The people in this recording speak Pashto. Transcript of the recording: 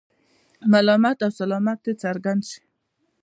ملامت او سلامت دې څرګند شي.